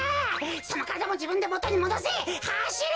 そのからだもじぶんでもとにもどせ！はしれ！